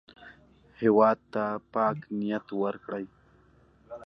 هېواد ته پاک نیت ورکړئ